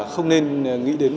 không nên nghĩ đến